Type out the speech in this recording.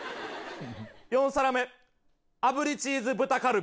「４皿目あぶりチーズ豚カルビ」。